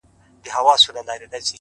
قدم اخله; قدم کيږده; قدم واخله;